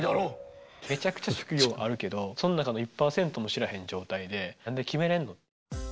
めちゃくちゃ職業あるけどその中の１％も知らへん状態で何で決めれんの？